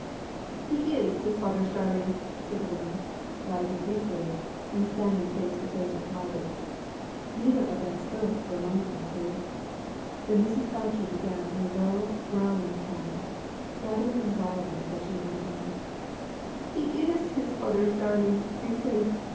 "He is his father's darling," said the woman, rising hastily, and standing face to face with Margaret. Neither of them spoke for a moment or two. Then Mrs. Boucher began in a low growling tone, gathering in wildness as she went on: "He is his father's darling, I say.